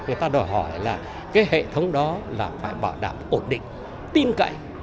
người ta đòi hỏi là cái hệ thống đó là phải bảo đảm ổn định tin cậy